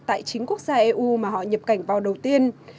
tại chính quốc gia eu mà họ nhập cảnh vào đầu tiên